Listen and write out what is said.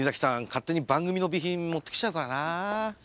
勝手に番組の備品持ってきちゃうからな。